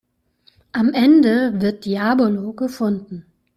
Am Ende wird "Diablo" gefunden.